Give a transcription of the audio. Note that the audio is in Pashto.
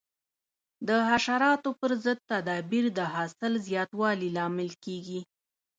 د حشراتو پر ضد تدابیر د حاصل زیاتوالي لامل کېږي.